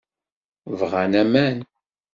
Bɣan aman.